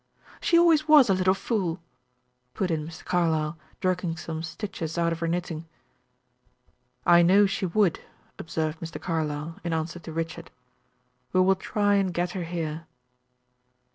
"She always was a little fool," put in Miss Carlyle, jerking some stitches out of her knitting. "I know she would," observed Mr. Carlyle, in answer to Richard. "We will try and get her here."